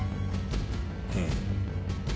うん。